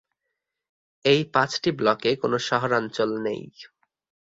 এই পাঁচটি ব্লকে কোনো শহরাঞ্চল নেই।